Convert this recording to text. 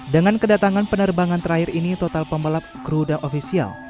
dengan kedatangan penerbangan terakhir ini total pembalap kruda ofisial